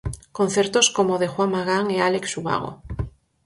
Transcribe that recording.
Concertos como o de Juan Magán e Álex Ubago.